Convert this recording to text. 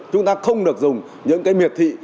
chúng ta không được dùng những cái miệt thị